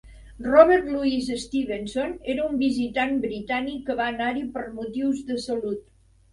Robert Louis Stevenson era un visitant britànic que va anar-hi per motius de salut.